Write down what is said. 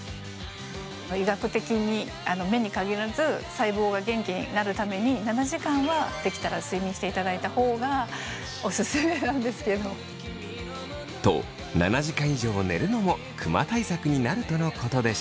医学的に目に限らず細胞が元気になるために７時間はできたら睡眠していただいたほうがオススメなんですけど。と７時間以上寝るのもクマ対策になるとのことでした。